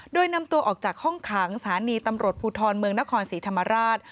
โดยนำตัวออกจากห้องขังสถานีตำรวจภูทรเมืองนครศรีธรรมราช